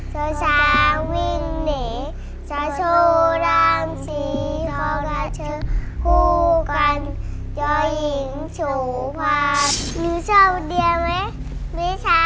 ชาวชาววิ่งเหนย์ชาวชูรัมศรีชาวกระเชิงคู่กันยอหญิงสูภาพ